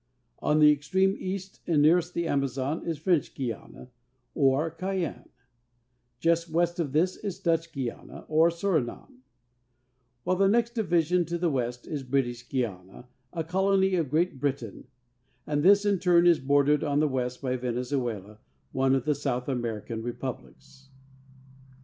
On the extrenie east and nearest the Amazon is French Guiana, or Cayenne ; just west of this is Dutch Guiana, or Surinam, while the next division to the west is British Guiuna, a colony of Great Britain; and this in turn is bordered on the west by Venezuela, one of the South American republics.